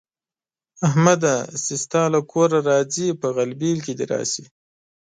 احمده! چې ستا له کوره راځي؛ په غلبېل کې دې راشي.